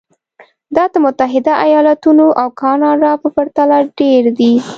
دا د متحده ایالتونو او کاناډا په پرتله ډېر دي.